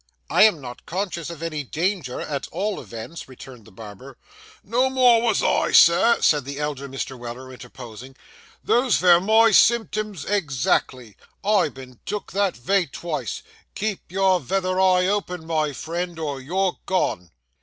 'I am not conscious of any danger, at all events,' returned the barber. 'No more wos I, sir,' said the elder Mr. Weller, interposing; 'those vere my symptoms, exactly. I've been took that vay twice. Keep your vether eye open, my friend, or you're gone.